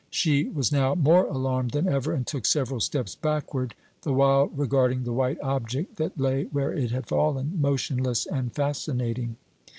She was now more alarmed then ever and took several steps backward, the while regarding the white object that lay where it had fallen, motionless and fascinating.